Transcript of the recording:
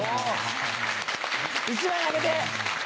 １枚あげて。